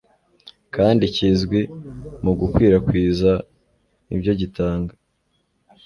kandi kizwi mugukwi rakwiza ibyo gitanga